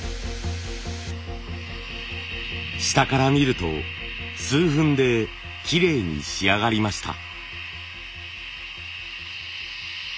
下から見ると数分できれいに仕上がりました。